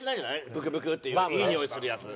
ブクブクっていういいにおいするやつ。